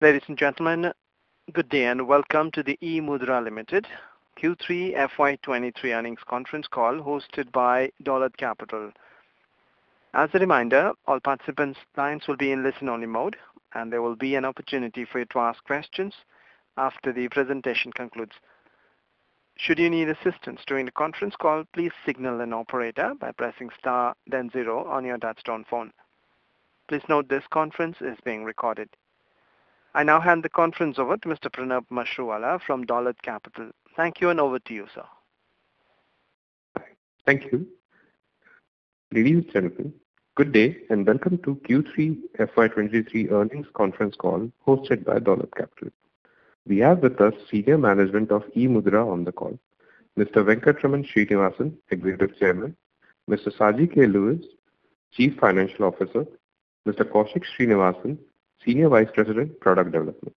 Ladies and gentlemen, good day and welcome to the eMudhra Limited Q3 FY23 earnings conference call hosted by Dolat Capital. As a reminder, all participants' lines will be in listen-only mode, and there will be an opportunity for you to ask questions after the presentation concludes. Should you need assistance during the conference call, please signal an operator by pressing star then 0 on your touchtone phone. Please note this conference is being recorded. I now hand the conference over to Mr. Pranav Mashruwala from Dolat Capital. Thank you and over to you, sir. Thank you. Ladies and gentlemen, good day and welcome to Q3 FY 23 earnings conference call hosted by Dolat Capital. We have with us senior management of eMudhra on the call, Mr. Venkatraman Srinivasan, Executive Chairman, Mr. Shaji A. Lewis, Chief Financial Officer, Mr. Kaushik Srinivasan, Senior Vice President, Product Development.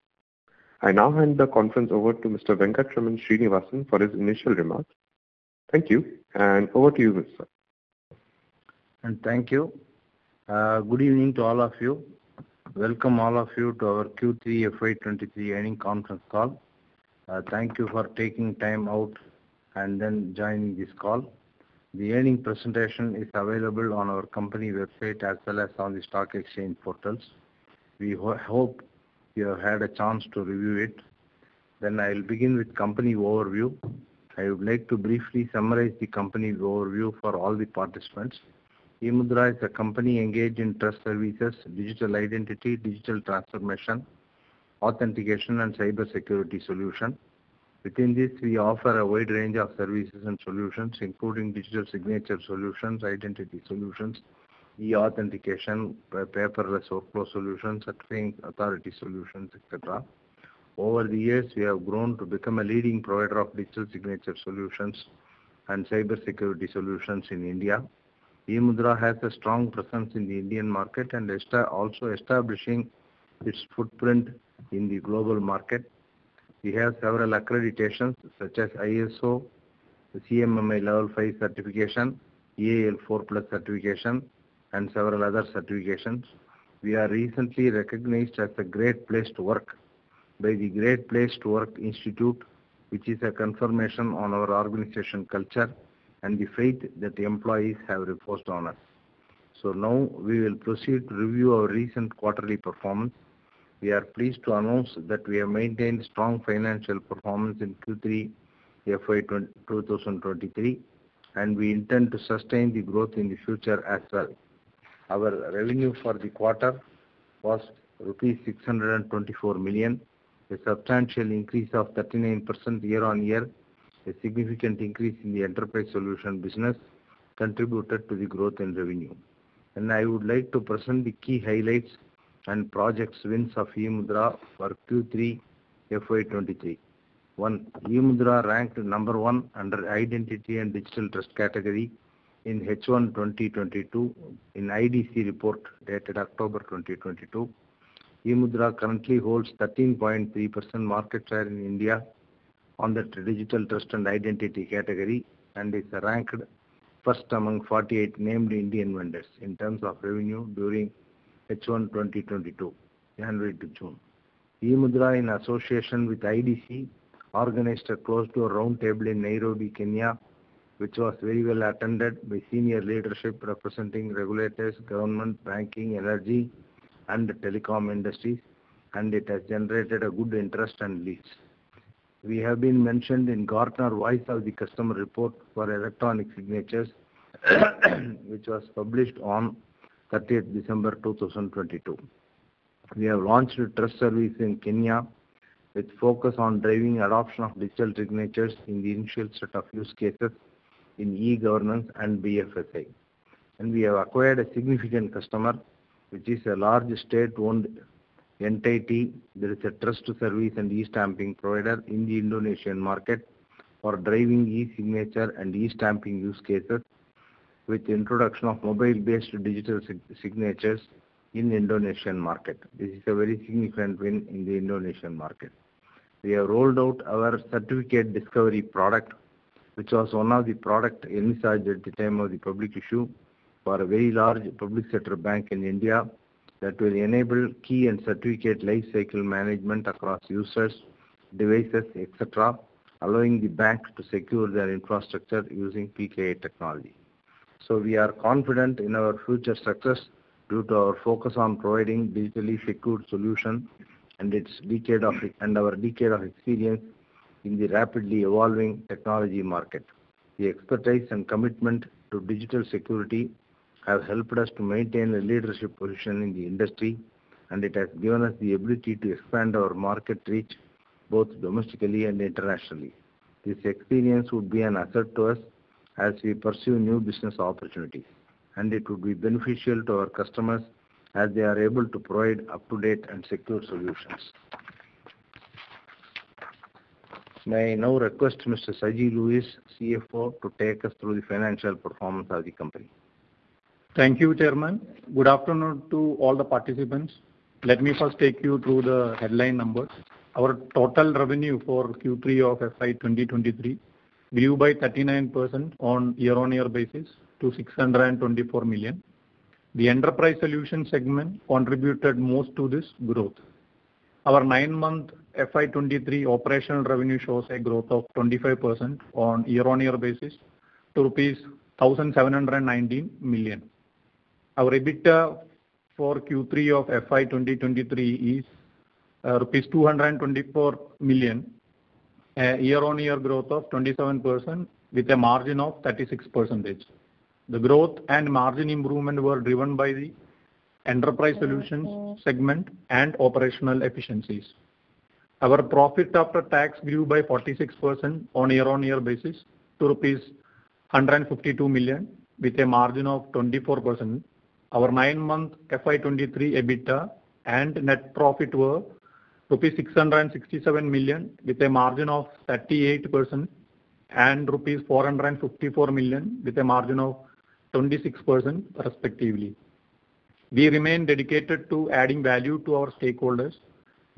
I now hand the conference over to Mr. Venkatraman Srinivasan for his initial remarks. Thank you, and over to you, sir. Thank you. Good evening to all of you. Welcome all of you to our Q3 FY23 earnings conference call. Thank you for taking time out and then joining this call. The earnings presentation is available on our company website as well as on the stock exchange portals. We hope you have had a chance to review it. I'll begin with company overview. I would like to briefly summarize the company's overview for all the participants. eMudhra is a company engaged in trust services, digital identity, digital transformation, authentication, and cybersecurity solution. Within this, we offer a wide range of services and solutions, including digital signature solutions, identity solutions, e-authentication, paperless workflow solutions, Certifying Authority solutions, et cetera. Over the years, we have grown to become a leading provider of digital signature solutions and cybersecurity solutions in India. eMudhra has a strong presence in the Indian market and also establishing its footprint in the global market. We have several accreditations such as ISO, the CMMI Level five certification, EAL4+ certification, and several other certifications. We are recently recognized as a great place to work by the Great Place To Work Institute, which is a confirmation on our organization culture and the faith that employees have reposed on us. Now we will proceed to review our recent quarterly performance. We are pleased to announce that we have maintained strong financial performance in Q3 FY 2023, and we intend to sustain the growth in the future as well. Our revenue for the quarter was rupees 624 million, a substantial increase of 39% year-on-year. A significant increase in the enterprise solution business contributed to the growth in revenue. I would like to present the key highlights and projects wins of eMudhra for Q3 FY23. One, eMudhra ranked number one under Identity and Digital Trust category in H1 2022 in IDC report dated October 2022. eMudhra currently holds 13.3% market share in India under the digital trust and identity category and is ranked first among 48 named Indian vendors in terms of revenue during H1 2022, January to June. eMudhra, in association with IDC, organized a closed door roundtable in Nairobi, Kenya, which was very well attended by senior leadership representing regulators, government, banking, energy, and the telecom industry, and it has generated a good interest and leads. We have been mentioned in Gartner Voice of the Customer report for electronic signatures which was published on 30th December 2022. We have launched a trust service in Kenya with focus on driving adoption of digital signatures in the initial set of use cases in e-governance and BFSI. We have acquired a significant customer, which is a large state-owned entity that is a trust service and e-stamping provider in the Indonesian market for driving e-signature and e-stamping use cases with introduction of mobile-based digital signatures in Indonesian market. This is a very significant win in the Indonesian market. We have rolled out our certificate discovery product, which was one of the product envisaged at the time of the public issue for a very large public sector bank in India that will enable key and certificate lifecycle management across users, devices, etc., allowing the bank to secure their infrastructure using PKI technology. We are confident in our future success due to our focus on providing digitally secured solution and our decade of experience in the rapidly evolving technology market. The expertise and commitment to digital security have helped us to maintain a leadership position in the industry, and it has given us the ability to expand our market reach both domestically and internationally. This experience would be an asset to us as we pursue new business opportunities, and it would be beneficial to our customers as they are able to provide up-to-date and secure solutions. May I now request Mr. Shaji Lewis, CFO, to take us through the financial performance of the company. Thank you, Chairman. Good afternoon to all the participants. Let me first take you through the headline numbers. Our total revenue for Q3 of FY 2023 grew by 39% on year-over-year basis to 624 million. The enterprise solution segment contributed most to this growth. Our 9-month FY23 operational revenue shows a growth of 25% on year-on-year basis to rupees 1,719 million. Our EBITDA for Q3 of FY2023 is rupees 224 million, a year-on-year growth of 27% with a margin of 36%. The growth and margin improvement were driven by the enterprise solutions segment and operational efficiencies. Our profit after tax grew by 46% on year-on-year basis to rupees 152 million with a margin of 24%. Our 9-month FY23 EBITDA and net profit were rupees 667 million with a margin of 38% and rupees 454 million with a margin of 26% respectively. We remain dedicated to adding value to our stakeholders.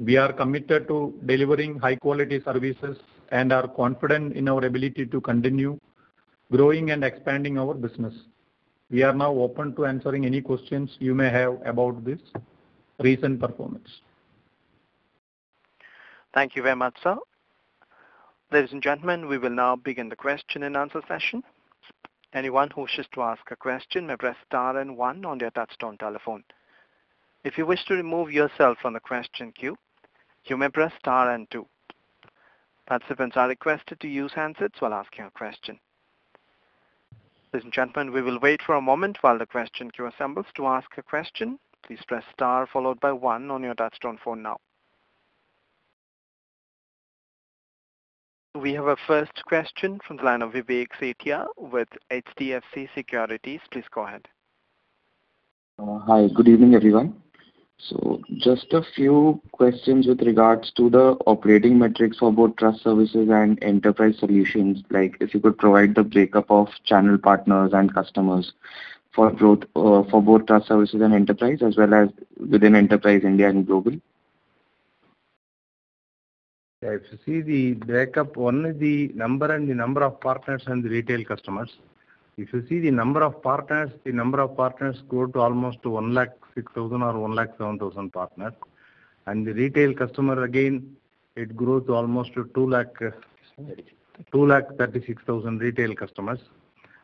We are committed to delivering high-quality services and are confident in our ability to continue growing and expanding our business. We are now open to answering any questions you may have about this recent performance. Thank you very much, sir. Ladies and gentlemen, we will now begin the question and answer session. Anyone who wishes to ask a question may press star and one on their touch-tone telephone. If you wish to remove yourself from the question queue, you may press star and two. Participants are requested to use handsets while asking a question. Ladies and gentlemen, we will wait for a moment while the question queue assembles. To ask a question, please press star followed by one on your touch-tone phone now. We have our first question from the line of Vivek Sethia with HDFC Securities. Please go ahead. Hi. Good evening, everyone. Just a few questions with regards to the operating metrics for both trust services and enterprise solutions. Like, if you could provide the breakup of channel partners and customers for growth, for both trust services and enterprise, as well as within enterprise India and globally. If you see the breakup, one is the number and the number of partners and the retail customers. If you see the number of partners, the number of partners grow to almost 106,000 or 107,000 partners. The retail customer, again, it grows to almost 2,36,000 retail customers.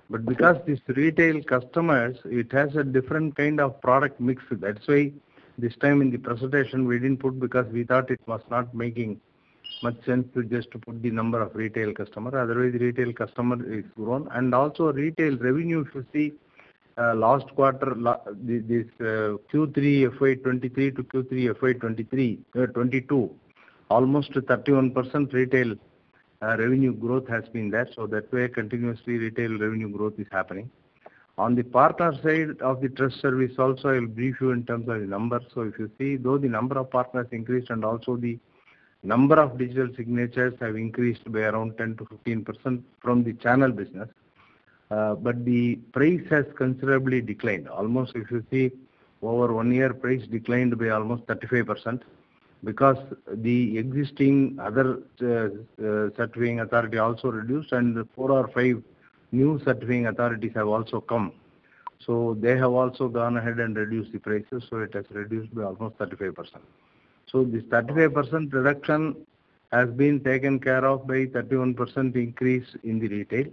Because these retail customers, it has a different kind of product mix. That's why this time in the presentation we didn't put because we thought it was not making much sense to just put the number of retail customer. Otherwise, retail customer is grown. Also retail revenue, if you see, last quarter, the, this, Q3 FY23 to Q3 FY23, 22, almost 31% retail revenue growth has been there. That way, continuously retail revenue growth is happening. On the partner side of the trust service also, I'll brief you in terms of the numbers. If you see, though the number of partners increased and also the number of digital signatures have increased by around 10%-15% from the channel business, but the price has considerably declined. Almost if you see over one year, price declined by almost 35% because the existing other Certifying Authority also reduced, and four or five new Certifying Authorities have also come. They have also gone ahead and reduced the prices, so it has reduced by almost 35%. This 35% reduction has been taken care of by 31% increase in the retail.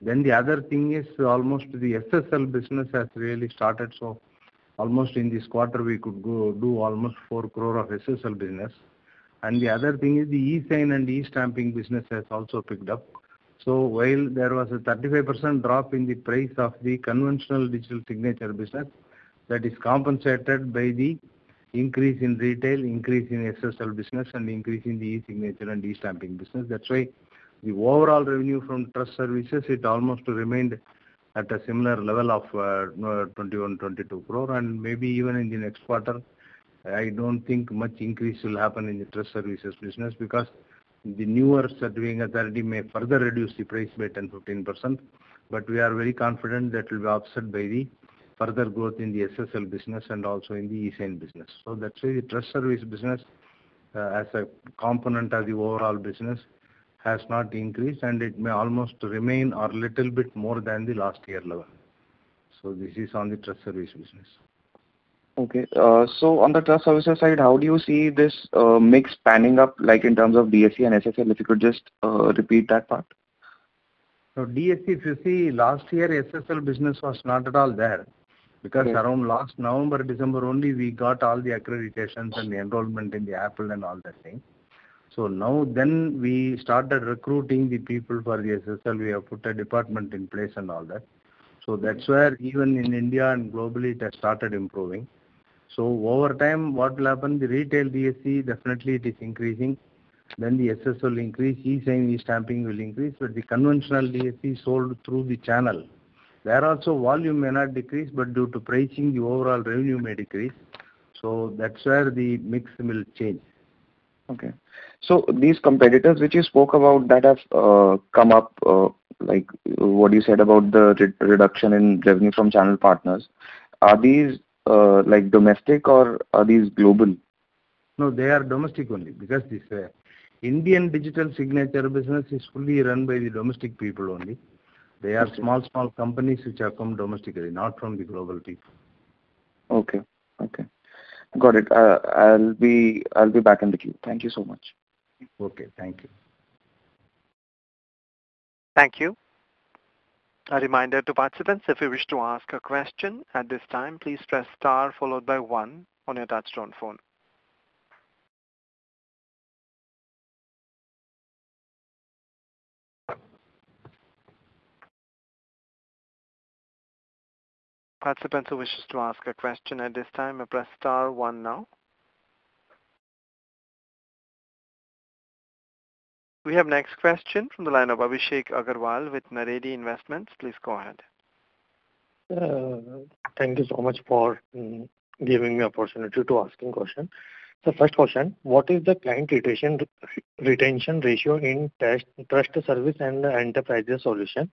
The other thing is almost the SSL business has really started. Almost in this quarter we could go do almost 4 crore of SSL business. The other thing is the eSign and eStamping business has also picked up. While there was a 35% drop in the price of the conventional digital signature business, that is compensated by the increase in retail, increase in SSL business, and increase in the eSignature and eStamping business. That's why the overall revenue from trust services, it almost remained at a similar level of, you know, 21 crore-22 crore. Maybe even in the next quarter, I don't think much increase will happen in the trust services business because the newer certifying authority may further reduce the price by 10%-15%. We are very confident that will be offset by the further growth in the SSL business and also in the eSign business. That's why the trust service business, as a component of the overall business, has not increased, and it may almost remain or little bit more than the last year level. This is on the trust service business. Okay. On the trust services side, how do you see this mix panning up, like in terms of DSC and SSL, if you could just repeat that part? DSC, if you see last year, SSL business was not at all there. Okay. Around last November, December only, we got all the accreditations and the enrollment in the Apple and all that thing. Now then we started recruiting the people for the SSL. We have put a department in place and all that. That's where even in India and globally, it has started improving. Over time, what will happen, the retail DSC definitely it is increasing, then the SSL increase, eSign, eStamping will increase. The conventional DSC sold through the channel. There also volume may not decrease, but due to pricing, the overall revenue may decrease. That's where the mix will change. Okay. These competitors which you spoke about that have come up, like what you said about the re-reduction in revenue from channel partners. Are these, like domestic or are these global? No, they are domestic only because this Indian digital signature business is fully run by the domestic people only. They are small companies which are from domestically, not from the global people. Okay. Okay. Got it. I'll be back in the queue. Thank you so much. Okay, thank you. Thank you. A reminder to participants, if you wish to ask a question at this time, please press star followed by one on your touchtone phone. Participant who wishes to ask a question at this time may press star one now. We have next question from the line of Abhishek Agarwal with Naredi Investments. Please go ahead. Thank you so much for giving me opportunity to asking question. The first question. What is the client retention ratio in trust service and enterprise solution?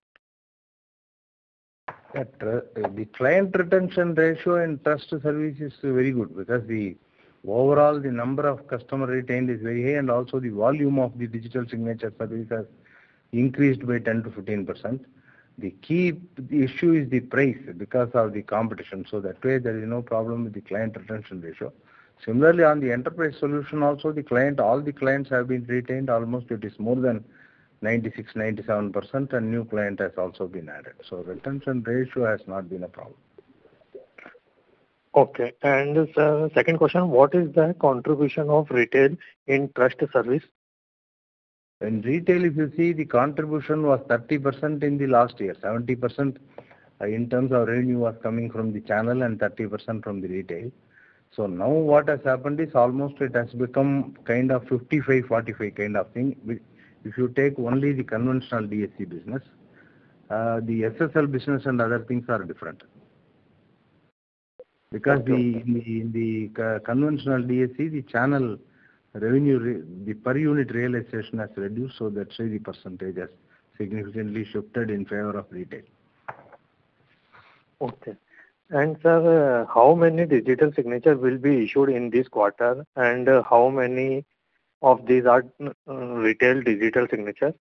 At the client retention ratio and trust service is very good because the overall number of customer retained is very high, and also the volume of the digital signature service has increased by 10%-15%. The key issue is the price because of the competition, so that way there is no problem with the client retention ratio. Similarly, on the enterprise solution also all the clients have been retained. Almost it is more than 96%, 97% and new client has also been added. Retention ratio has not been a problem. Okay. second question, what is the contribution of retail in trust service? In retail, if you see, the contribution was 30% in the last year. 70% in terms of revenue was coming from the channel and 30% from the retail. Now what has happened is almost it has become kind of 55%, 45% kind of thing. If you take only the conventional DSC business, the SSL business and other things are different. Because the conventional DSC, the channel revenue the per unit realization has reduced, so that's why the percentage has significantly shifted in favor of retail. Okay. Sir, how many digital signature will be issued in this quarter? How many of these are retail digital signature?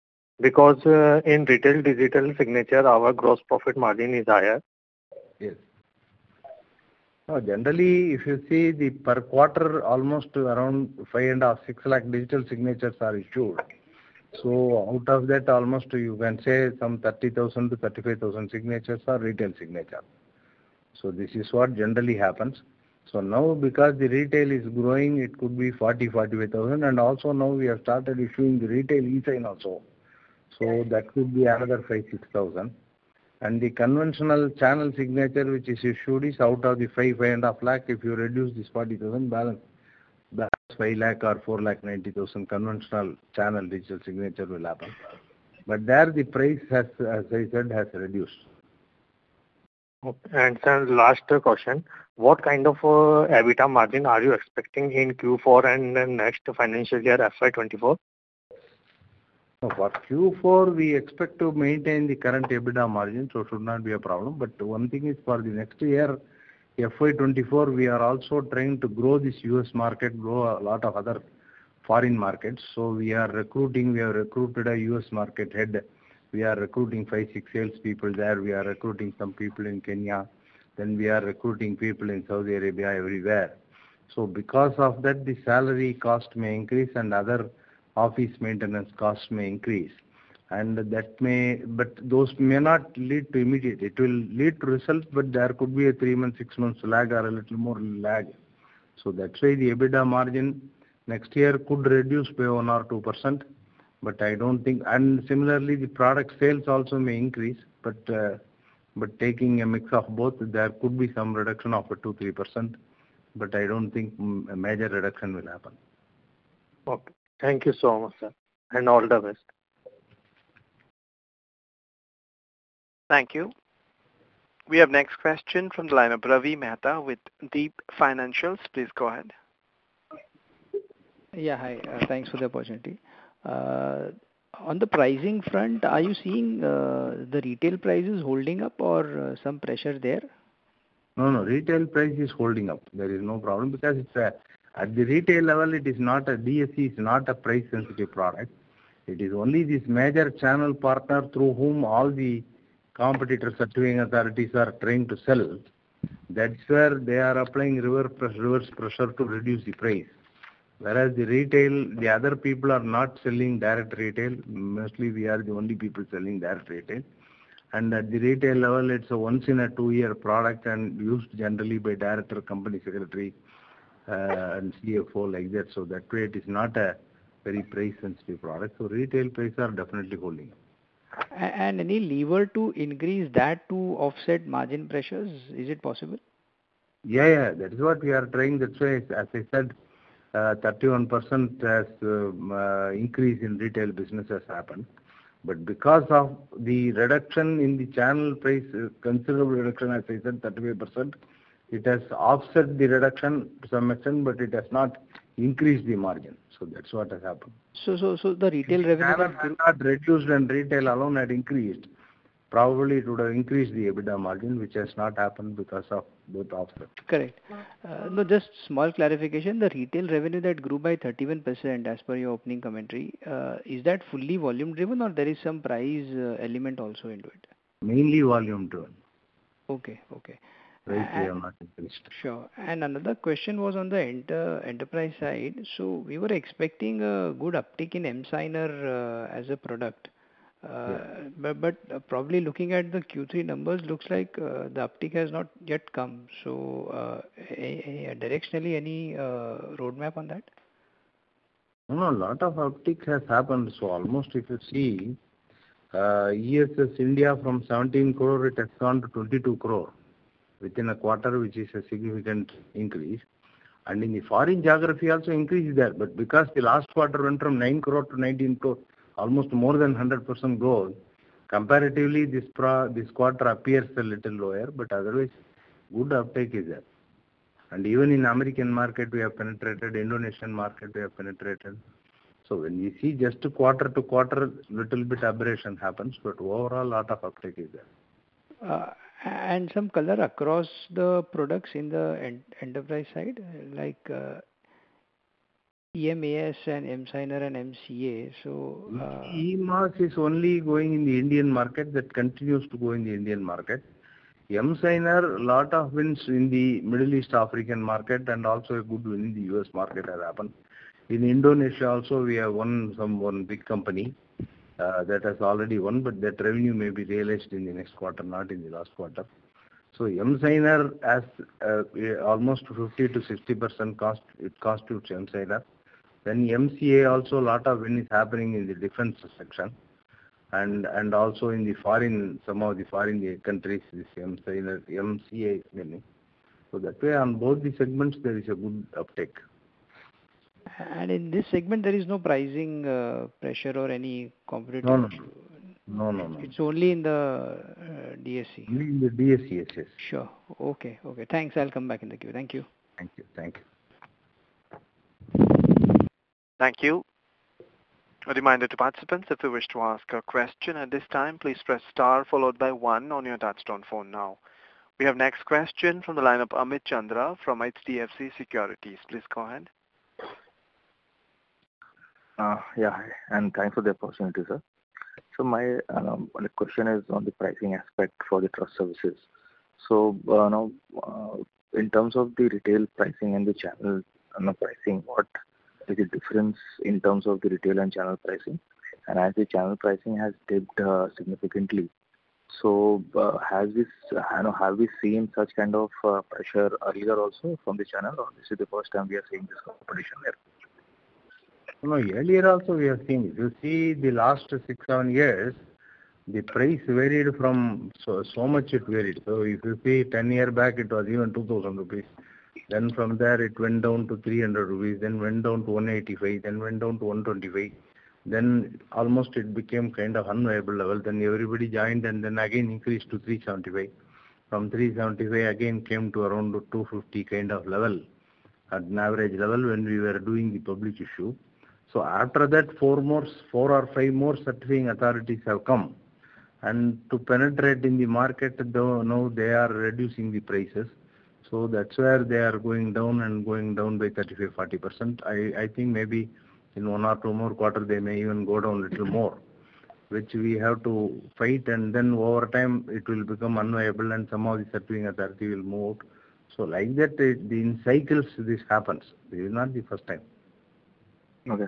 Because in retail digital signature our gross profit margin is higher. Generally, if you see the per quarter, almost around 5.5, 6 lakh digital signatures are issued. Out of that almost you can say some 30,000-35,000 signatures are retail signature. This is what generally happens. Now because the retail is growing, it could be 40,000-45,000. Also now we have started issuing the retail eSign also. That could be another 5,000-6,000. The conventional channel signature which is issued is out of the 5.5 lakh, if you reduce this 40,000 balance, that's 5 lakh or 490,000 conventional channel digital signature will happen. There the price has, as I said, has reduced. Okay. Sir, last question. What kind of EBITDA margin are you expecting in Q4 and then next financial year, FY 24? For Q4 we expect to maintain the current EBITDA margin, so it should not be a problem. One thing is for the next year, FY 2024, we are also trying to grow this US market, grow a lot of other foreign markets. We are recruiting. We have recruited a US market head. We are recruiting 5, 6 sales people there. We are recruiting some people in Kenya. We are recruiting people in Saudi Arabia, everywhere. Because of that, the salary cost may increase and other office maintenance costs may increase. Those may not lead to immediate. It will lead to results, but there could be a 3-month, 6-month lag or a little more lag. That's why the EBITDA margin next year could reduce by 1% or 2%, but I don't think... Similarly, the product sales also may increase. Taking a mix of both, there could be some reduction of 2%, 3%, but I don't think a major reduction will happen. Okay. Thank you so much, sir. All the best. Thank you. We have next question from the line of Ravi Mehta with Deep Financial. Please go ahead. Yeah. Hi. Thanks for the opportunity. On the pricing front, are you seeing, the retail prices holding up or, some pressure there? No, no. Retail price is holding up. There is no problem because it's. At the retail level, it is not. DSC is not a price-sensitive product. It is only this major channel partner through whom all the competitor Certifying Authorities are trying to sell. That's where they are applying reverse pressure to reduce the price. Whereas the retail, the other people are not selling direct retail. Mostly we are the only people selling direct retail. At the retail level, it's a once in a two-year product and used generally by director, company secretary, and CFO like that. That way it is not a very price-sensitive product. Retail price are definitely holding up. any lever to increase that to offset margin pressures, is it possible? Yeah, yeah. That is what we are trying. That's why, as I said, 31% has increase in retail business has happened. Because of the reduction in the channel price, considerable reduction, as I said, 38%, it has offset the reduction to some extent, but it has not increased the margin. That's what has happened. The retail revenue. Channel has not reduced and retail alone had increased. Probably it would have increased the EBITDA margin, which has not happened because of both of them. Correct. No, just small clarification. The retail revenue that grew by 31% as per your opening commentary, is that fully volume-driven or there is some price, element also into it? Mainly volume-driven. Okay. Okay. Price here. Sure. Another question was on the enterprise side. We were expecting a good uptick in emSigner as a product. Yeah. Probably looking at the Q3 numbers, looks like, the uptick has not yet come. Any directionally any roadmap on that? No, no, lot of uptick has happened. Almost if you see, ESS India from 17 crore it has gone to 22 crore within a quarter, which is a significant increase. In the foreign geography also increase is there, but because the last quarter went from 9 crore to 19 crore, almost more than 100% growth, comparatively this quarter appears a little lower, but otherwise good uptake is there. Even in American market we have penetrated, Indonesian market we have penetrated. When you see just quarter-to-quarter, little bit aberration happens, but overall lot of uptake is there. And some color across the products in the enterprise side, like, eMaaS and emSigner and MCA. eMaaS is only going in the Indian market. That continues to go in the Indian market. emSigner, lot of wins in the Middle East African market and also a good win in the U.S. market had happened. In Indonesia also we have won some one big company, that has already won, but that revenue may be realized in the next quarter, not in the last quarter. emSigner has almost 50%-60% cost, it cost to emSigner. MCA also a lot of win is happening in the defense section and also in the foreign, some of the foreign countries, this emSigner, MCA is winning. That way on both the segments there is a good uptake. In this segment there is no pricing pressure or any competitive issue. No, no. No, no. It's only in the DSC. Only in the DSC, yes. Sure. Okay. Okay. Thanks. I'll come back in the queue. Thank you. Thank you. Thank you. Thank you. A reminder to participants, if you wish to ask a question at this time, please press star followed by one on your touchtone phone now. We have next question from the line of Amit Chandra from HDFC Securities. Please go ahead. Yeah. Thanks for the opportunity, sir. My question is on the pricing aspect for the trust services. Now, in terms of the retail pricing and the channel pricing, what is the difference in terms of the retail and channel pricing? As the channel pricing has dipped significantly. Has this... I don't know, have we seen such kind of pressure earlier also from the channel or this is the first time we are seeing this competition here? Earlier also we have seen. If you see the last six, seven years, the price varied from so much it varied. If you see 10 year back it was even 2,000 rupees. From there it went down to 300 rupees, then went down to 185, then went down to 125. Almost it became kind of unavailable level. Everybody joined and then again increased to 375. From 375 again came to around 250 kind of level, at an average level when we were doing the public issue. After that four more, four or five more Certifying Authorities have come. To penetrate in the market though now they are reducing the prices. That's where they are going down and going down by 35%, 40%. I think maybe in one or two more quarter they may even go down little more, which we have to fight and then over time it will become unavailable and some of the Certifying Authority will move out. Like that, in cycles this happens. This is not the first time. Okay.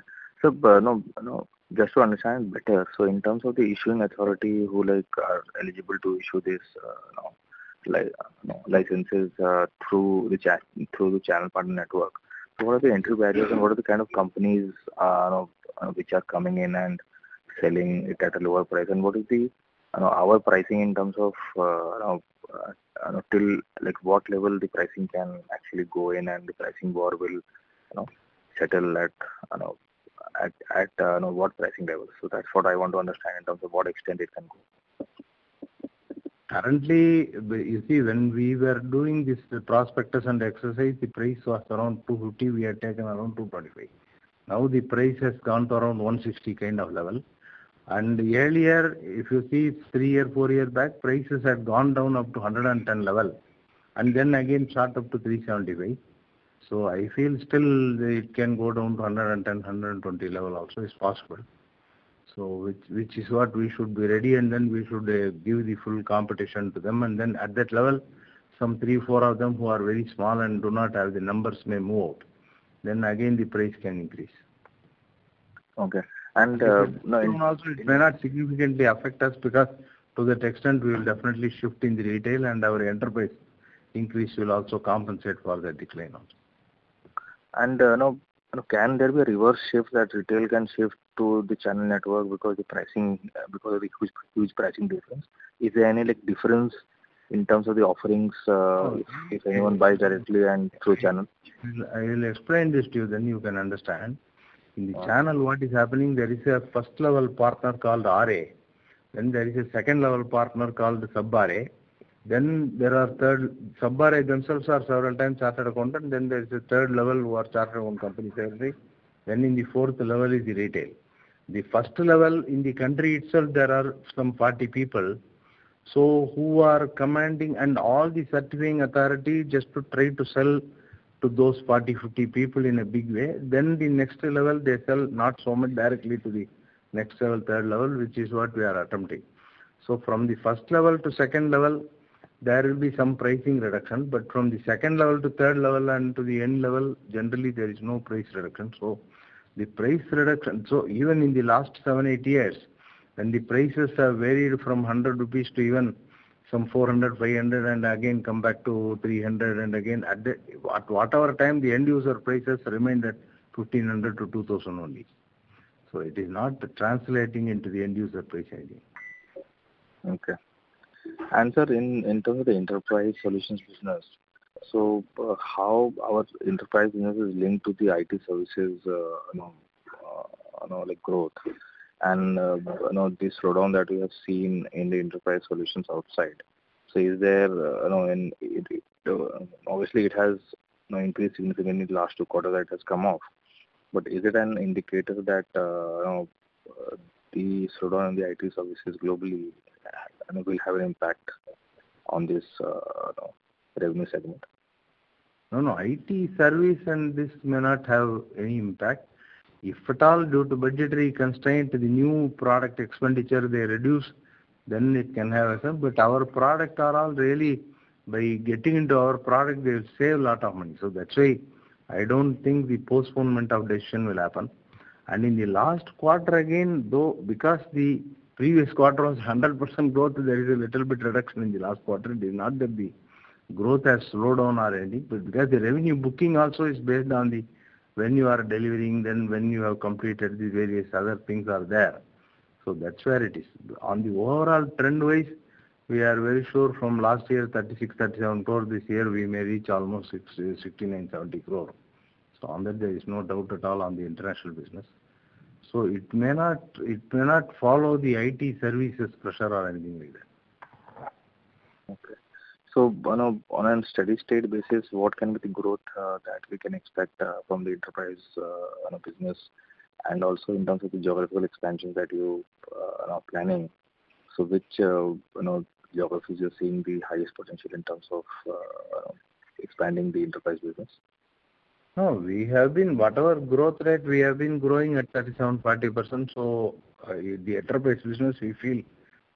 now just to understand better, in terms of the issuing authority who like are eligible to issue this, you know, licenses, through the channel partner network. What are the entry barriers and what are the kind of companies, you know, which are coming in and selling it at a lower price? What is the, you know, our pricing in terms of, you know, till like what level the pricing can actually go in and the pricing war will, you know, settle at, you know, what pricing level? That's what I want to understand in terms of what extent it can go. Currently, you see when we were doing this prospectus and exercise, the price was around 250, we had taken around 225. Now the price has gone to around 160 kind of level. Earlier, if you see three year, four year back, prices had gone down up to 110 level, and then again shot up to 375. I feel still it can go down to 110, 120 level also. It's possible. Which is what we should be ready and then we should give the full competition to them and then at that level, some three, four of them who are very small and do not have the numbers may move out. Again the price can increase. Okay. Soon also it may not significantly affect us because to that extent we will definitely shift in the retail and our enterprise increase will also compensate for that decline also. You know, can there be a reverse shift that retail can shift to the channel network because the pricing, because of the huge pricing difference? Is there any like difference in terms of the offerings, if anyone buys directly and through channel? I will explain this to you then you can understand. Okay. In the channel what is happening, there is a first level partner called RA. There is a second level partner called Sub RA. There are third, Sub RAs themselves are several times chartered accountant. There's the third level who are chartered on company secretary. In the fourth level is the retail. The first level in the country itself, there are some 40 people. Who are commanding and all the Certifying Authority just to try to sell to those 40, 50 people in a big way. The next level, they sell not so much directly to the next level, third level, which is what we are attempting. From the first level to second level, there will be some pricing reduction, but from the second level to third level and to the end level, generally, there is no price reduction. The price reduction... Even in the last seven, eight years, when the prices have varied from 100 rupees to even some 400, 500, and again come back to 300, and again at whatever time, the end user prices remained at 1,500-2,000 only. It is not translating into the end user price ideally. Okay. Sir, in terms of the enterprise solutions business, so how our enterprise business is linked to the IT services, you know, you know, like growth and, you know, the slowdown that we have seen in the enterprise solutions outside? Is there, you know, and obviously, it has, you know, increased significantly in the last two quarters that it has come off. Is it an indicator that, you know, the slowdown in the IT services globally, you know, will have an impact on this, you know, revenue segment? No, no, IT service and this may not have any impact. If at all due to budgetary constraint, the new product expenditure they reduce, then it can have effect. Our product are all really by getting into our product, they'll save a lot of money. That's why I don't think the postponement of decision will happen. In the last quarter, again, though, because the previous quarter was 100% growth, there is a little bit reduction in the last quarter. It is not that the growth has slowed down or anything, but because the revenue booking also is based on the when you are delivering, then when you have completed, the various other things are there. That's where it is. On the overall trend-wise, we are very sure from last year, 36 crore-37 crore, this year we may reach almost 69 crore-70 crore. On that, there is no doubt at all on the international business. It may not follow the IT services pressure or anything like that. Okay. On a steady-state basis, what can be the growth that we can expect from the enterprise, you know, business and also in terms of the geographical expansion that you are planning? Which, you know, geographies you're seeing the highest potential in terms of expanding the enterprise business? No, whatever growth rate we have been growing at 37%-40%, the enterprise business, we feel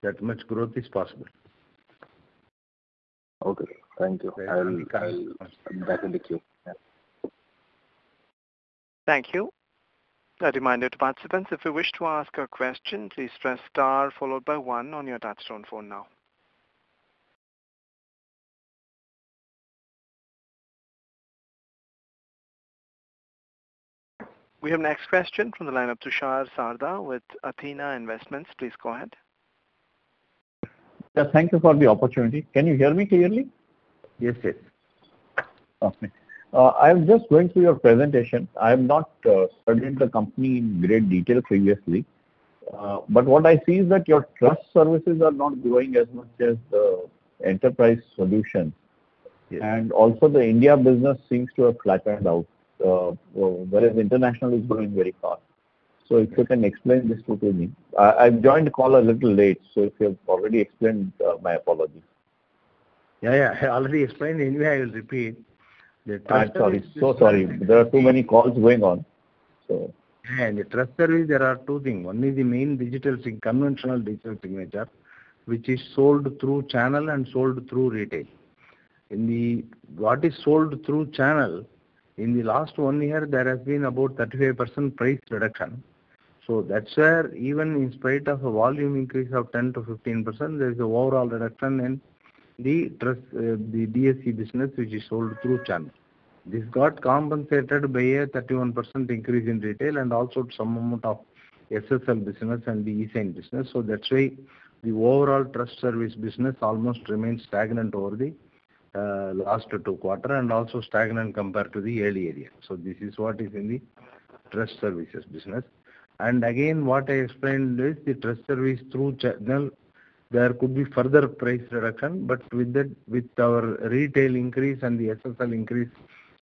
that much growth is possible. Okay. Thank you. Welcome. I will, I'll back in the queue. Yeah. Thank you. A reminder to participants, if you wish to ask a question, please press star followed by one on your touch-tone phone now. We have next question from the line of Tushar Sarda with Athena Investments. Please go ahead. Yeah, thank you for the opportunity. Can you hear me clearly? Yes, yes. Okay. I'm just going through your presentation. I have not studied the company in great detail previously. What I see is that your trust services are not growing as much as the enterprise solutions. Yes. The India business seems to have flattened out, whereas international is growing very fast. If you can explain this to me. I've joined the call a little late, so if you have already explained, my apologies. Yeah. I already explained. Anyway, I'll repeat. The trust service. I'm sorry. So sorry. There are too many calls going on, so... Yeah. In the trust service, there are two things. One is the main conventional digital signature, which is sold through channel and sold through retail. What is sold through channel, in the last one year, there has been about 35% price reduction. That's where even in spite of a volume increase of 10%-15%, there is a overall reduction in the trust, the DSC business, which is sold through channel. This got compensated by a 31% increase in retail and also some amount of SSL business and the eSign business. That's why the overall trust service business almost remains stagnant over the last 2Q and also stagnant compared to the early area. This is what is in the trust services business. Again, what I explained is the trust service through channel, there could be further price reduction, but with that, with our retail increase and the SSL increase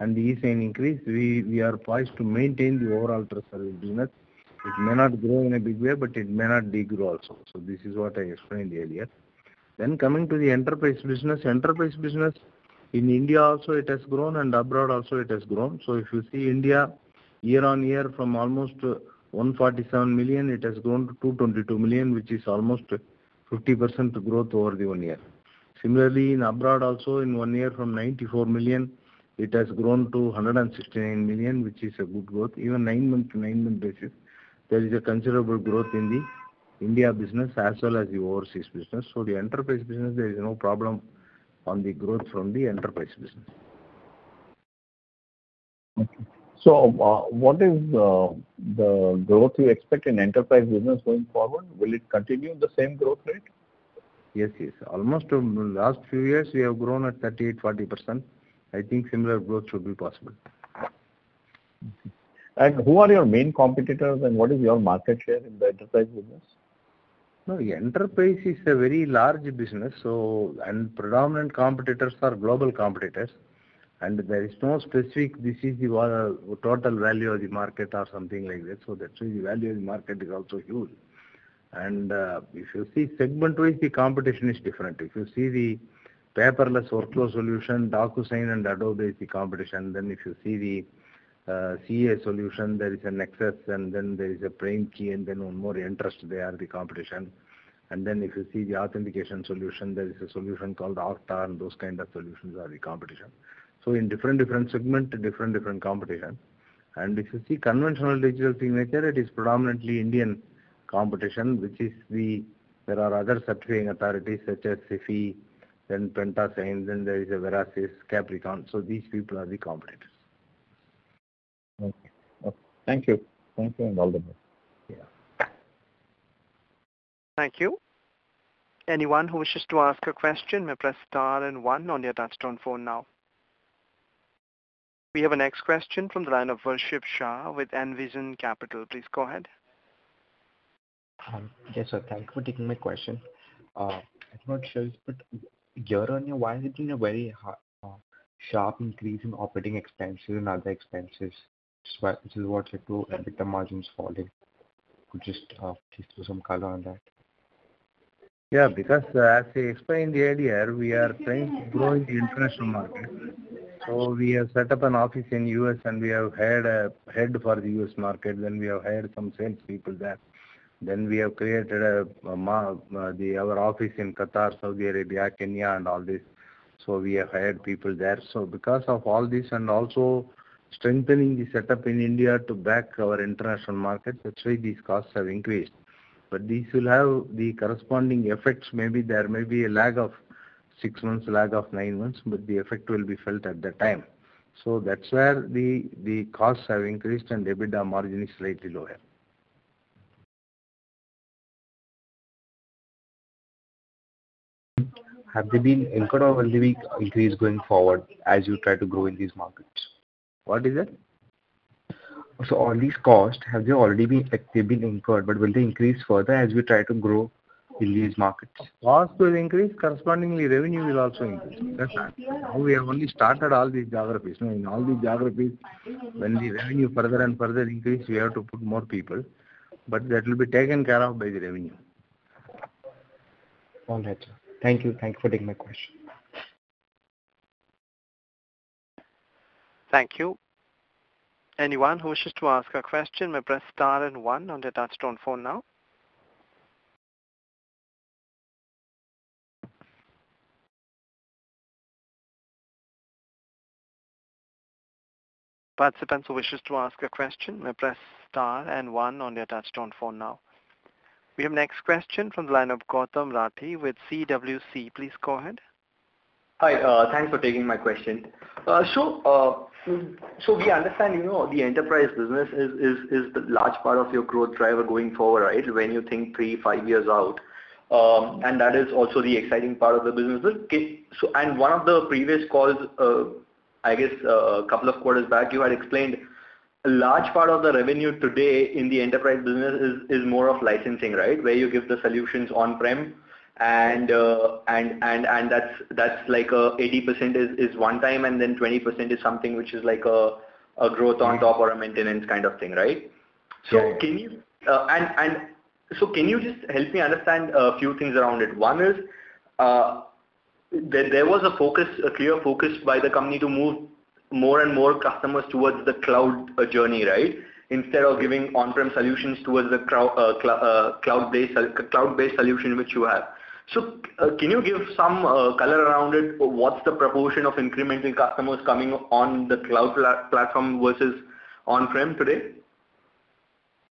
and the eSign increase, we are poised to maintain the overall trust service business. It may not grow in a big way, but it may not degrow also. This is what I explained earlier. Coming to the enterprise business. Enterprise business in India also it has grown and abroad also it has grown. If you see India year-over-year from almost 147 million, it has grown to 222 million, which is almost 50% growth over the one year. Similarly, in abroad also in one year from 94 million, it has grown to 169 million, which is a good growth. Even nine-month to nine-month basis, there is a considerable growth in the India business as well as the overseas business. The enterprise business, there is no problem on the growth from the enterprise business. Okay. What is the growth you expect in enterprise business going forward? Will it continue the same growth rate? Yes, yes. Almost, last few years, we have grown at 38, 40%. I think similar growth should be possible. Who are your main competitors and what is your market share in the enterprise business? Enterprise is a very large business. Predominant competitors are global competitors. There is no specific, this is the total value of the market or something like that. That's why the value of the market is also huge. If you see segmentally, the competition is different. If you see the paperless workflow solution, DocuSign and Adobe is the competition. If you see the CA solution, there is a Nexus, there is a PrimeKey, one more, Entrust, they are the competition. If you see the authentication solution, there is a solution called Okta, and those kind of solutions are the competition. In different segment, different competition. If you see conventional digital signature, it is predominantly Indian competition, which is the. There are other certifying authorities such as Sify, then Pantasign, then there is Verasys, Capricorn. These people are the competitors. Okay. Thank you. Thank you and all the best. Yeah. Thank you. Anyone who wishes to ask a question may press star and one on your touchtone phone now. We have a next question from the line of Nilesh Shah with Envision Capital. Please go ahead. Hi. Yes, sir. Thank you for taking my question. I'm not sure, but year-on-year, why has it been a very sharp increase in operating expenses and other expenses? This is what your two EBITDA margin is falling. Could you just throw some color on that? As I explained earlier, we are trying to grow in the international market. We have set up an office in U.S., we have hired a head for the U.S. market, we have hired some sales people there. We have created our office in Qatar, Saudi Arabia, Kenya and all this. We have hired people there. Because of all this, also strengthening the setup in India to back our international market, that's why these costs have increased. This will have the corresponding effects. Maybe there may be a lag of six months, lag of nine months, the effect will be felt at that time. That's where the costs have increased, EBITDA margin is slightly lower. Have they been incurred or will they be increased going forward as you try to grow in these markets? What is it? All these costs, have they already been, like, they've been incurred, but will they increase further as we try to grow in these markets? Costs will increase, correspondingly revenue will also increase. That's it. We have only started all these geographies. In all these geographies, when the revenue further and further increase, we have to put more people, but that will be taken care of by the revenue. All right, sir. Thank you. Thank you for taking my question. Thank you. Anyone who wishes to ask a question may press star and one on their touch-tone phone now. Participants who wishes to ask a question may press star and one on their touch-tone phone now. We have next question from the line of Pranav Mashruwala with CWC. Please go ahead. Hi. Thanks for taking my question. We understand, you know, the enterprise business is the large part of your growth driver going forward, right? When you think three, five years out. That is also the exciting part of the business. One of the previous calls, I guess a couple of quarters back, you had explained a large part of the revenue today in the enterprise business is more of licensing, right? Where you give the solutions on-prem and that's like, 80% is one time and then 20% is something which is like a growth on top or a maintenance kind of thing, right? Yeah. Can you just help me understand a few things around it? One is, there was a focus, a clear focus by the company to move more and more customers towards the cloud journey, right? Instead of giving on-prem solutions towards the cloud-based solution which you have. Can you give some color around it? What's the proportion of incremental customers coming on the cloud platform versus on-prem today?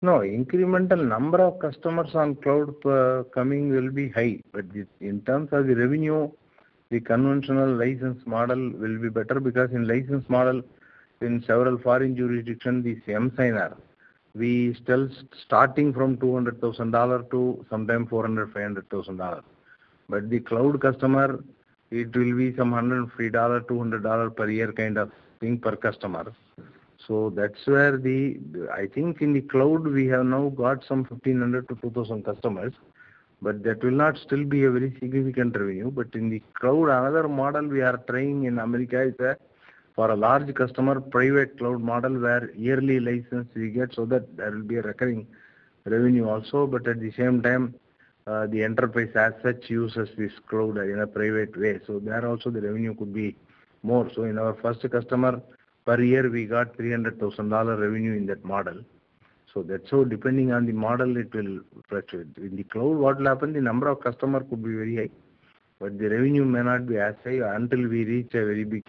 No, incremental number of customers on cloud coming will be high. In terms of the revenue, the conventional license model will be better because in license model, in several foreign jurisdiction, the same signer. We still starting from $200,000 to sometime $400,000-$500,000. The cloud customer, it will be some $103, $200 per year kind of thing per customer. That's where I think in the cloud we have now got some 1,500-2,000 customers, but that will not still be a very significant revenue. In the cloud, another model we are trying in America is that for a large customer, private cloud model where yearly license we get so that there will be a recurring revenue also. At the same time, the enterprise as such uses this cloud in a private way. There also the revenue could be more. In our first customer per year we got $300 thousand revenue in that model. That's so depending on the model it will fluctuate. In the cloud, what will happen, the number of customer could be very high, but the revenue may not be as high until we reach a very big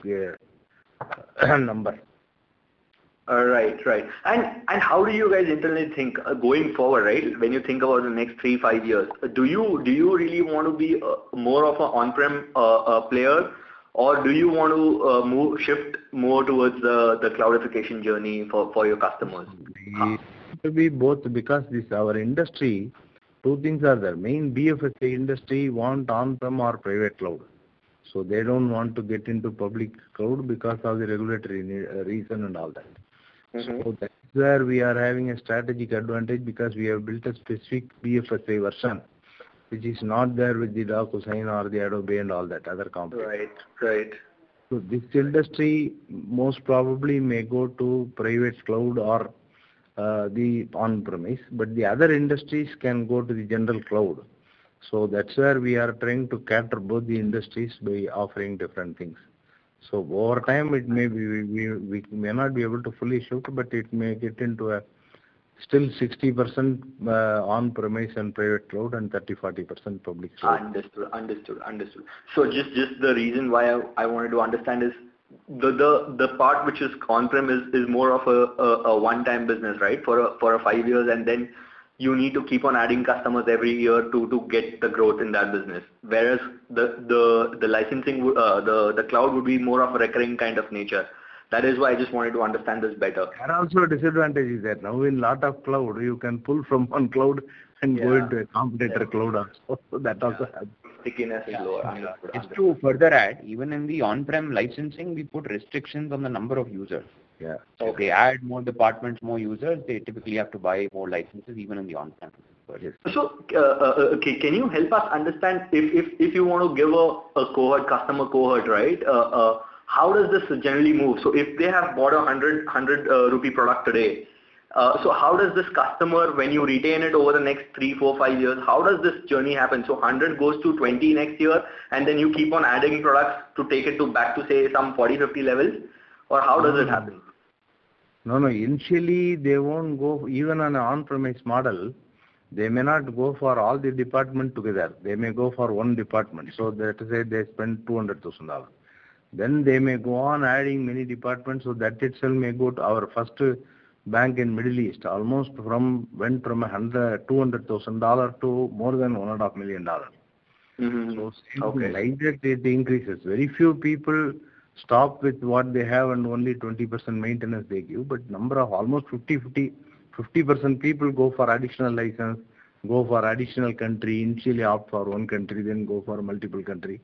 number. All right. Right. How do you guys internally think going forward? When you think about the next three, five years, do you really want to be more of a on-prem player? Do you want to shift more towards the cloudification journey for your customers? It could be both because this our industry, two things are there. Main BFSI industry want on-prem or private cloud. They don't want to get into public cloud because of the regulatory reason and all that. Mm-hmm. That's where we are having a strategic advantage because we have built a specific BFSI version which is not there with the DocuSign or the Adobe and all that other competition. Right. Right. This industry most probably may go to private cloud or the on-premise, but the other industries can go to the general cloud. That's where we are trying to cater both the industries by offering different things. Over time it may be we may not be able to fully shift, but it may get into a still 60% on-premise and 30%-40% public cloud. Understood. Understood. Understood. Just the reason why I wanted to understand is the part which is on-premise is more of a one-time business, right? For a five years, and then you need to keep on adding customers every year to get the growth in that business. Whereas the licensing the cloud would be more of a recurring kind of nature. That is why I just wanted to understand this better. There are also disadvantages there. In lot of cloud, you can pull from one cloud and go into a competitor cloud also. That also happens. Stickiness is lower. Understood. It's true. Further add, even in the on-prem licensing, we put restrictions on the number of users. Yeah. Okay. If they add more departments, more users, they typically have to buy more licenses even in the on-prem. Yes. Can you help us understand if you want to give a cohort, customer cohort, right, how does this generally move? If they have bought a 100 rupee product today, how does this customer when you retain it over the next three, four, five years, how does this journey happen? 100 goes to 20 next year, and then you keep on adding products to take it to back to, say, some 40, 50 levels? How does it happen? No, no. Initially, they won't go... Even on a on-premise model, they may not go for all the department together. They may go for one department. Let's say they spend $200,000. They may go on adding many departments, so that itself may go to our first bank in Middle East. Almost went from $100,000-$200,000 to more than $1.5 million. Mm-hmm. Okay. Slowly, like that, it increases. Very few people stop with what they have and only 20% maintenance they give. Number of almost 50% people go for additional license, go for additional country. Initially opt for one country, then go for multiple country.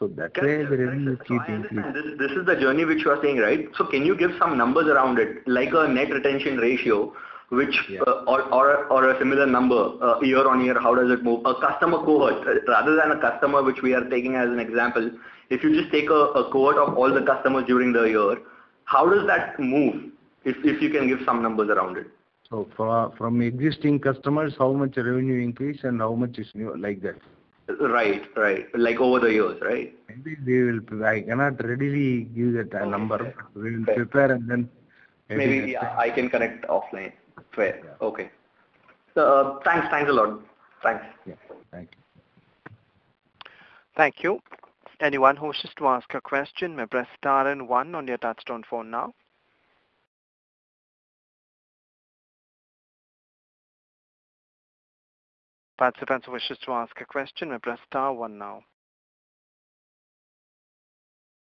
That way the revenue keeping increase. I understand. This is the journey which you are saying, right? Can you give some numbers around it, like a net retention ratio? Yeah. or a similar number, year on year, how does it move? A customer cohort rather than a customer which we are taking as an example. If you just take a cohort of all the customers during the year, how does that move, if you can give some numbers around it? From existing customers, how much revenue increase and how much is new? Like that? Right. Right. Like over the years, right? Maybe they will provide. I cannot readily give that number. Okay. We'll prepare and then maybe next time. Maybe I can connect offline. Fair. Yeah. Okay. Thanks. Thanks a lot. Thanks. Yeah. Thank you. Thank you. Anyone who wishes to ask a question may press star and one on your touchtone phone now. Participant who wishes to ask a question may press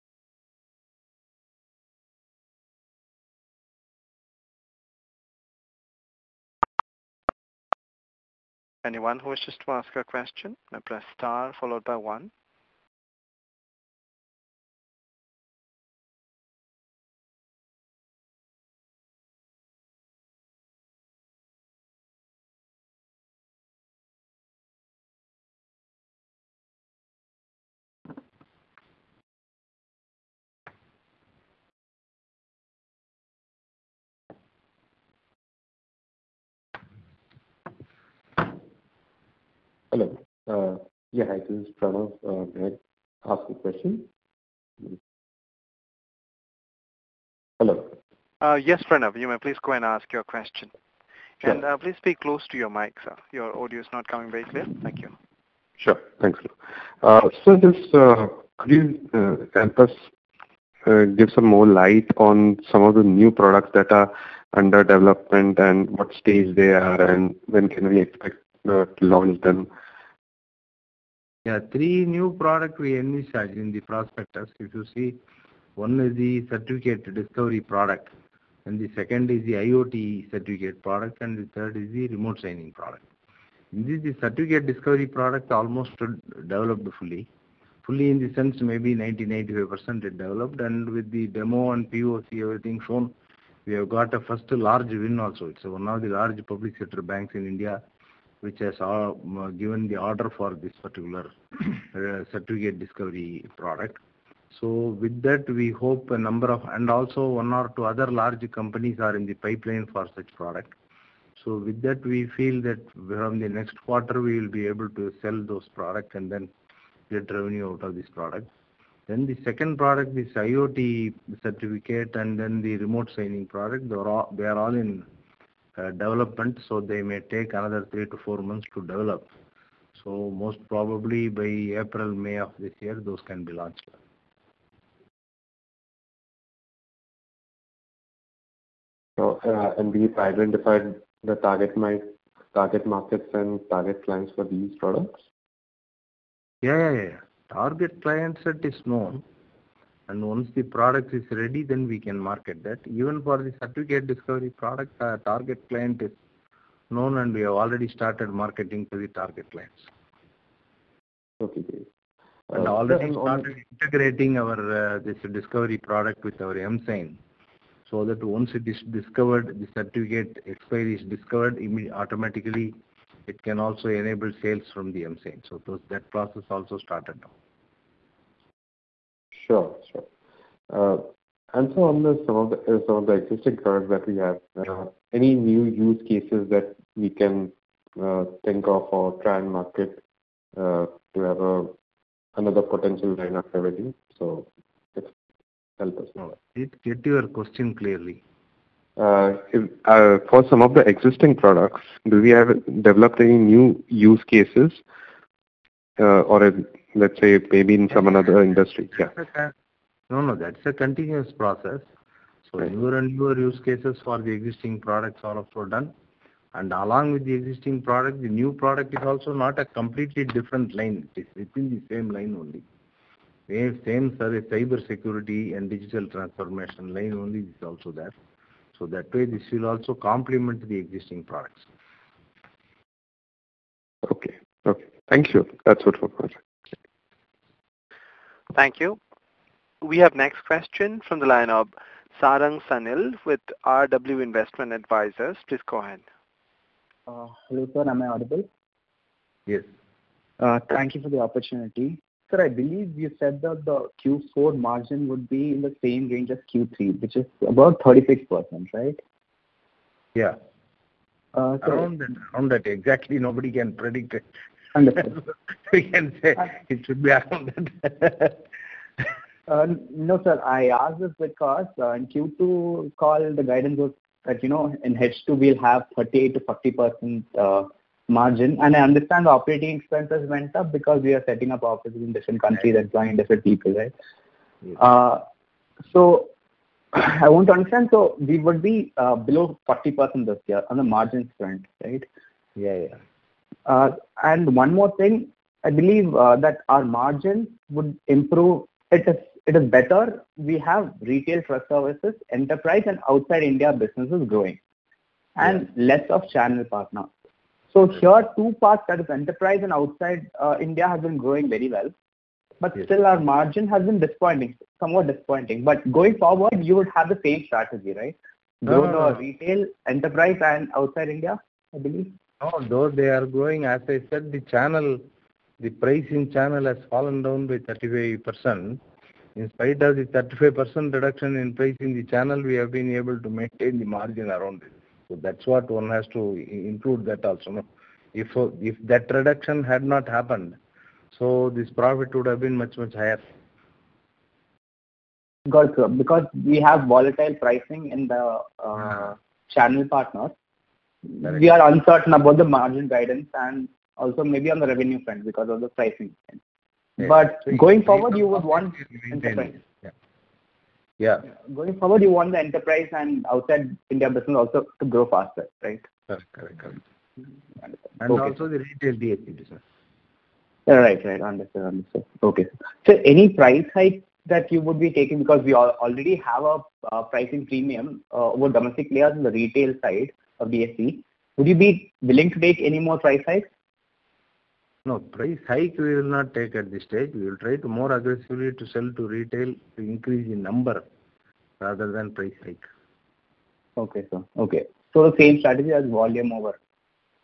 star one now. Anyone who wishes to ask a question may press star followed by one. Hello. Yeah. This is Pranav. May I ask a question? Hello? Yes, Pranav, you may please go and ask your question. Sure. Please speak close to your mic, sir. Your audio is not coming very clear. Thank you. Sure. Thanks. Just, could you help us give some more light on some of the new products that are under development and what stage they are and when can we expect to launch them? Three new product we envisaged in the prospectus. If you see, one is the certificate discovery product, and the second is the IoT Certificate Product, and the third is the Remote Signing Product. Indeed, the certificate discovery product almost developed fully. Fully in the sense maybe 90%, 95% it developed, and with the demo and POC, everything shown, we have got a first large win also. It's one of the large public sector banks in India which has given the order for this particular certificate discovery product. With that, we hope a number of, and also one or two other large companies are in the pipeline for such product. With that we feel that from the next quarter we will be able to sell those product and then get revenue out of this product. The second product, this IoT certificate and then the remote signing product, they are all in development, so they may take another 3-4 months to develop. Most probably by April, May of this year, those can be launched. We've identified the target markets and target clients for these products? Yeah, yeah. Target clients it is known. Once the product is ready, then we can market that. Even for the certificate discovery product, our target client is known, and we have already started marketing to the target clients. Okay. Already started integrating our this emDiscovery product with our emSign so that once it is discovered, the certificate expiry is discovered, automatically it can also enable sales from the emSign. That process also started now. Sure. Sure. On the, some of the existing products that we have, any new use cases that we can, think of or try and market, to have another potential line of revenue? Just help us on that. Didn't get your question clearly. if, for some of the existing products, do we have developed any new use cases, or let's say maybe in some another industry? Yeah. No, no, that's a continuous process. Right. Newer and newer use cases for the existing products are also done. Along with the existing product, the new product is also not a completely different line. It is within the same line only. We have same service, cybersecurity and digital transformation line only is also there. That way this will also complement the existing products. Okay. Okay. Thank you. That's all for now. Thank you. We have next question from the line of Sarang Sanil with RW Investment Advisors. Please go ahead. Hello, Sir. Am I audible? Yes. Thank you for the opportunity. Sir, I believe you said that the Q4 margin would be in the same range as Q3, which is about 36%, right? Yeah. Correct. Around that. Exactly nobody can predict it. Understood. We can say it should be around that. No, sir, I asked this because in Q2 call the guidance was that, you know, in H2 we'll have 30%-40% margin. I understand the operating expenses went up because we are setting up offices in different countries. Right. employing different people, right? Yes. I want to understand. We would be below 40% this year on the margin front, right? Yeah, yeah. One more thing. I believe that our margin would improve. It is better. We have retail trust services, enterprise and outside India business is growing. Yes. Less of channel partners. Yes. Here are two parts. That is enterprise and outside, India has been growing very well. Yes. Still our margin has been disappointing. Somewhat disappointing. Going forward, you would have the same strategy, right? No. Grow our retail, enterprise and outside India, I believe. No. Though they are growing, as I said, the channel, the pricing channel has fallen down by 35%. In spite of the 35% reduction in pricing the channel, we have been able to maintain the margin around it. That's what one has to include that also now. If that reduction had not happened, this profit would have been much, much higher. Got you. Because we have volatile pricing in the. Uh. channel partners. Right. We are uncertain about the margin guidance and also maybe on the revenue front because of the pricing. Yes. Going forward, you would want enterprise. Yeah. Yeah. Going forward, you want the enterprise and outside India business also to grow faster, right? Yes. Correct. Correct. Understood. Okay. Also the retail DSP, sir. Right. Right. Understood. Understood. Okay Any price hike that you would be taking because we already have a pricing premium over domestic players in the retail side of DSP. Would you be willing to take any more price hikes? No. Price hike we will not take at this stage. We will try to more aggressively to sell to retail to increase the number rather than price hike. Okay, sir. Okay. The same strategy as volume over-.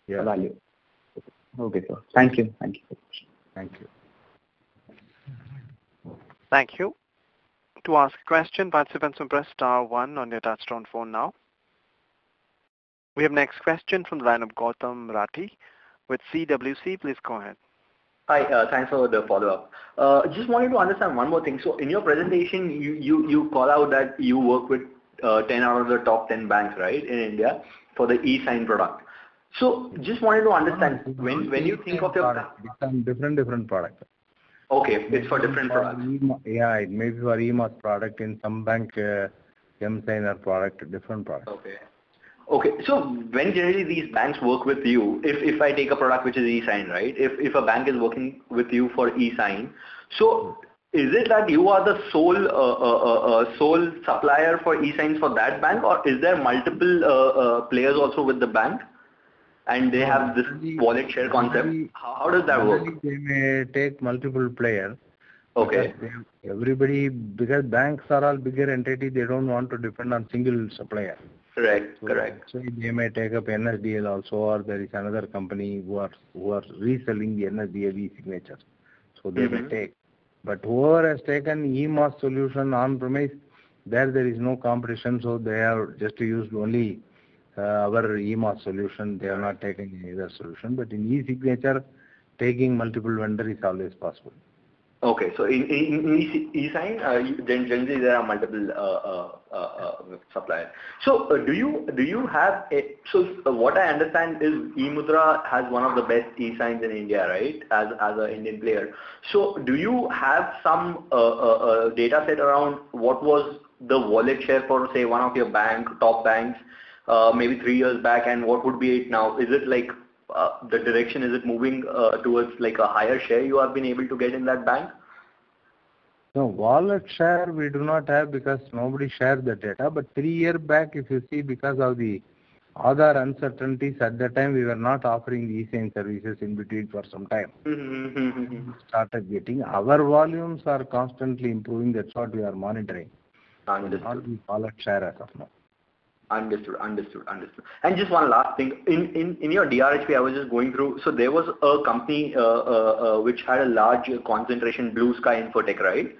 Yeah. value. Okay. Okay, sir. Thank you. Thank you. Thank you. Thank you. To ask a question, participants can press star one on your touchtone phone now. We have next question from the line of Gautam Rathi with CWC. Please go ahead. Hi. Thanks for the follow-up. Just wanted to understand one more thing. In your presentation, you call out that you work with 10 out of the top 10 banks, right, in India for the eSign product. Just wanted to understand when you think of. Different product. Okay. It's for different products. Yeah. It may be for eMaaS product in some bank, emSigner product, different products. Okay. Okay. When generally these banks work with you, if I take a product which is eSign, right? If a bank is working with you for eSign. Is it that you are the sole supplier for eSigns for that bank, or is there multiple players also with the bank and they have this wallet share concept? Usually- How does that work? Usually they may take multiple player. Okay. Because banks are all bigger entity, they don't want to depend on single supplier. Correct. Correct. actually they may take up NSDL also, or there is another company who are reselling the NSDL e-signature. Mm-hmm. They will take. Whoever has taken eMaaS solution on-premise, there is no competition, so they have just used only our eMaaS solution. They have not taken any other solution. In e-signature, taking multiple vendor is always possible. Okay. In eSign, then generally there are multiple suppliers. Do you have a... What I understand is eMudhra has one of the best eSigns in India, right? As a Indian player. Do you have some data set around what was the wallet share for, say, one of your bank, top banks, maybe three years back, and what would be it now? Is it like the direction, is it moving towards like a higher share you have been able to get in that bank? No. Wallet share we do not have because nobody shares the data. three year back, if you see because of the other uncertainties at that time, we were not offering eSign services in between for some time. Mm-hmm. Mm-hmm. Started getting. Our volumes are constantly improving. That's what we are monitoring. Understood. Not the wallet share as of now. Understood. Understood. Understood. Just one last thing. In your DRHP I was just going through. There was a company, which had a large concentration, BlueSky Infotech, right?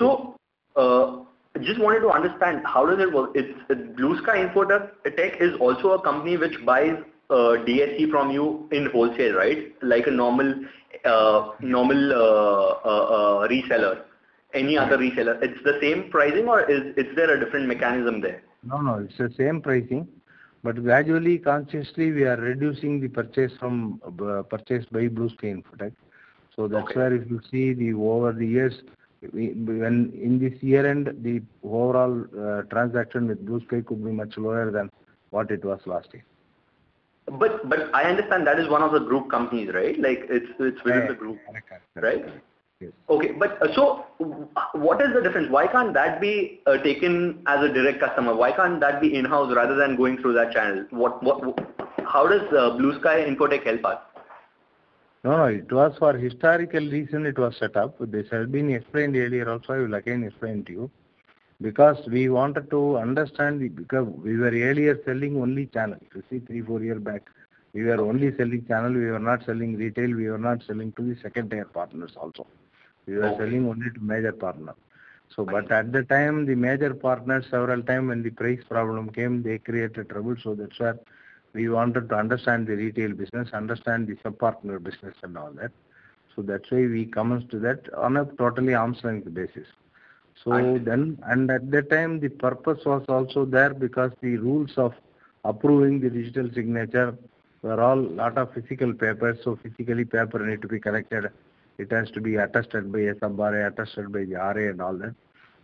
Mm-hmm. Just wanted to understand, how does it work? BlueSky Infotech is also a company which buys DSC from you in wholesale, right? Like a normal reseller. Any other reseller. It's the same pricing or is there a different mechanism there? No, no. It's the same pricing. Gradually, consciously, we are reducing the purchase by BlueSky Infotech. Okay. That's where if you see the over the years, when in this year end, the overall, transaction with BlueSky could be much lower than what it was last year. I understand that is one of the group companies, right? Like it’s within the group. Yeah. Right? Yes. Okay. What is the difference? Why can't that be taken as a direct customer? Why can't that be in-house rather than going through that channel? What, how does BlueSky Infotech help us? No, no. It was for historical reason it was set up. This has been explained earlier also. I will again explain to you. We wanted to understand, because we were earlier selling only channel. You see three, four year back, we were only selling channel. We were not selling retail. We were not selling to the second tier partners also. Okay. We were selling only to major partner. Okay. At the time, the major partners several time when the price problem came, they created trouble. That's why we wanted to understand the retail business, understand the sub-partner business and all that. That's why we commenced to that on a totally arm's length basis. Right. At that time the purpose was also there because the rules of approving the digital signature were all lot of physical papers. Physically paper need to be collected. It has to be attested by a Sub RA, attested by the RA and all that.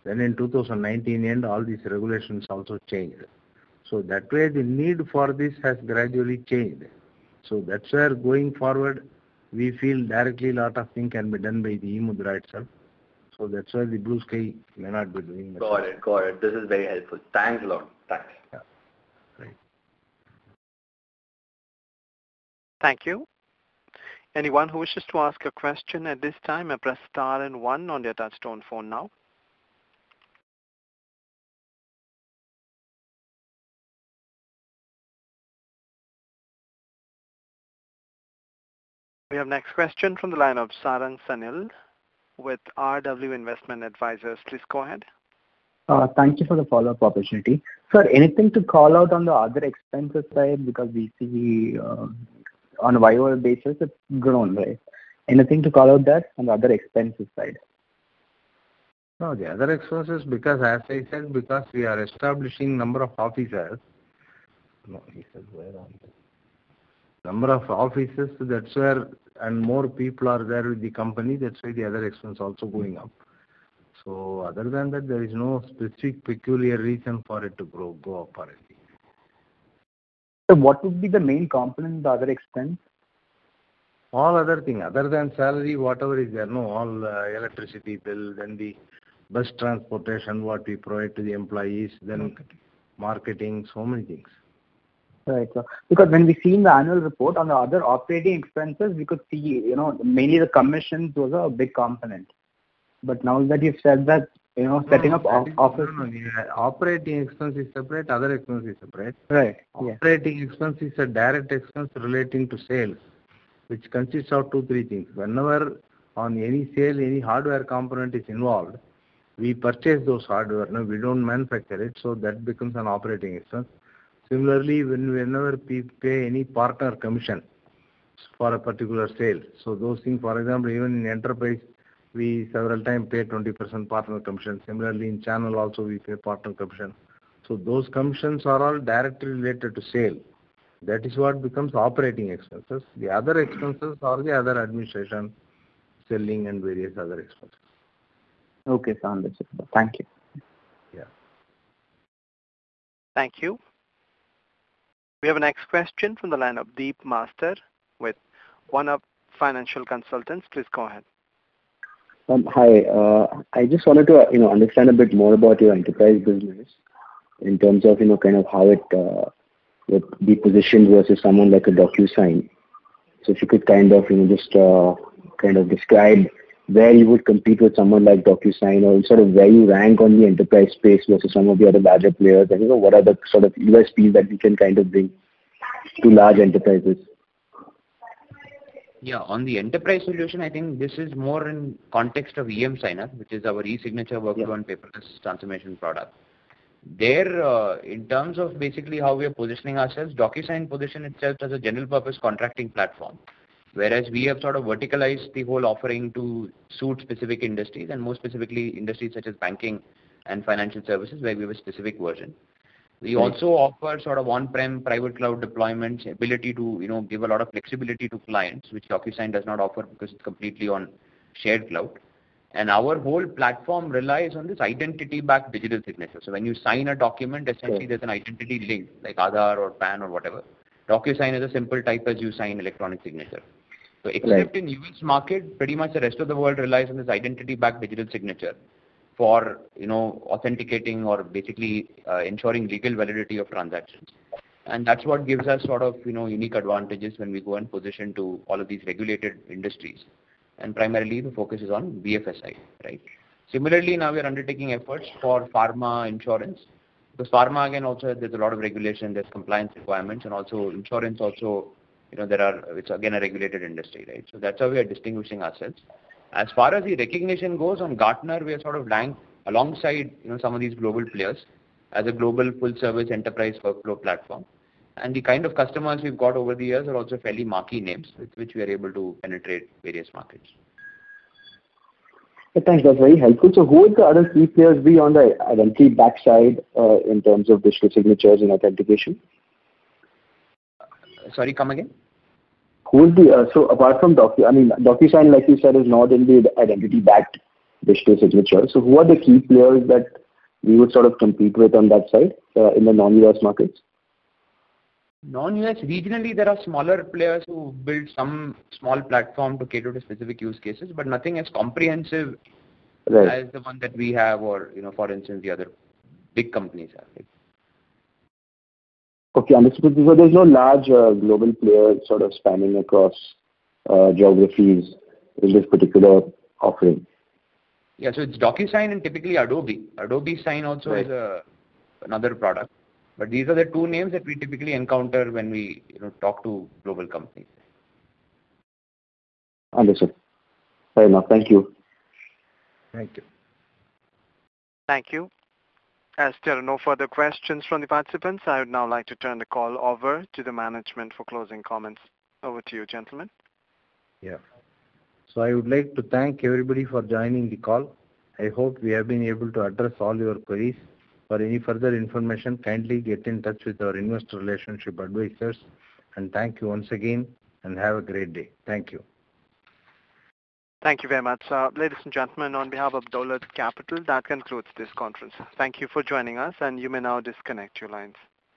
In 2019 end, all these regulations also changed. That way the need for this has gradually changed. That's where going forward we feel directly a lot of thing can be done by the eMudhra itself. That's why the BlueSky may not be doing that. Got it. Got it. This is very helpful. Thanks a lot. Thanks. Yeah. Great. Thank you. Anyone who wishes to ask a question at this time may press star and one on their touchtone phone now. We have next question from the line of Sarang Sanil with RW Investment Advisors. Please go ahead. Thank you for the follow-up opportunity. Sir, anything to call out on the other expenses side? We see on a year-over-year basis it's grown, right? Anything to call out there on the other expenses side? The other expenses, as I said, because we are establishing number of offices. Number of offices, that's where, and more people are there with the company, that's why the other expense also going up. Other than that, there is no specific peculiar reason for it to grow, go up or anything. Sir, what would be the main component, the other expense? All other thing. Other than salary, whatever is there. No, all electricity bill, then the bus transportation what we provide to the employees. Okay. Marketing, so many things. Right. Because when we've seen the annual report on the other operating expenses, we could see, you know, mainly the commissions was a big component. Now that you've said that, you know. No, no. Operating expense is separate, other expense is separate. Right. Yeah. Operating expense is a direct expense relating to sales, which consists of two, three things. Whenever on any sale, any hardware component is involved, we purchase those hardware. No, we don't manufacture it, that becomes an operating expense. Similarly, whenever we pay any partner commission for a particular sale, those things, for example, even in enterprise we several time pay 20% partner commission. Similarly, in channel also we pay partner commission. Those commissions are all directly related to sale. That is what becomes operating expenses. The other expenses are the other administration, selling and various other expenses. Okay. It's understandable. Thank you. Yeah. Thank you. We have a next question from the line of Deep Master with One-Up Financial Consultants. Please go ahead. Hi. I just wanted to, you know, understand a bit more about your enterprise business in terms of, you know, kind of how it would be positioned versus someone like a DocuSign. If you could kind of, you know, just kind of describe where you would compete with someone like DocuSign or sort of where you rank on the enterprise space versus some of the other larger players? You know, what are the sort of USP that you can kind of bring to large enterprises? Yeah. On the enterprise solution, I think this is more in context of emSigner, which is our e-signature work to on paperless transformation product. There, in terms of basically how we are positioning ourselves, DocuSign position itself as a general purpose contracting platform. Whereas we have sort of verticalized the whole offering to suit specific industries and more specifically industries such as banking and financial services where we have a specific version. Right. We also offer sort of on-prem private cloud deployments, ability to, you know, give a lot of flexibility to clients, which DocuSign does not offer because it's completely on shared cloud. Our whole platform relies on this identity-backed digital signature. When you sign a document, essentially there's an identity link, like Aadhaar or PAN or whatever. DocuSign is a simple type as you sign electronic signature. Right. Except in U.S. market, pretty much the rest of the world relies on this identity-backed digital signature for, you know, authenticating or basically, ensuring legal validity of transactions. That's what gives us sort of, you know, unique advantages when we go and position to all of these regulated industries. Primarily the focus is on BFSI, right? Similarly, now we are undertaking efforts for pharma insurance. Pharma, again, also there's a lot of regulation, there's compliance requirements and also insurance also, you know, It's again, a regulated industry, right? That's how we are distinguishing ourselves. As far as the recognition goes, on Gartner, we are sort of ranked alongside, you know, some of these global players as a global full-service enterprise workflow platform. The kind of customers we've got over the years are also fairly marquee names, with which we are able to penetrate various markets. Thanks. That's very helpful. Who would the other key players be on the identity backside, in terms of digital signatures and authentication? Sorry, come again? Who would be? Apart from I mean, DocuSign, like you said, is not in the identity-backed digital signature. Who are the key players that you would sort of compete with on that side, in the non-U.S. markets? Non-US. Regionally, there are smaller players who build some small platform to cater to specific use cases, but nothing as comprehensive... Right. -as the one that we have or, you know, for instance, the other big companies have. Okay. Understood. There's no large global player sort of spanning across geographies in this particular offering. Yeah. It's DocuSign and typically Adobe. Adobe Sign also. Right. is, another product. These are the two names that we typically encounter when we, you know, talk to global companies. Understood. Fair enough. Thank you. Thank you. Thank you. As there are no further questions from the participants, I would now like to turn the call over to the management for closing comments. Over to you, gentlemen. Yeah. I would like to thank everybody for joining the call. I hope we have been able to address all your queries. For any further information, kindly get in touch with our investor relationship advisors. Thank you once again, and have a great day. Thank you. Thank you very much. Ladies and gentlemen, on behalf of Dolat Capital, that concludes this conference. Thank you for joining us. You may now disconnect your lines.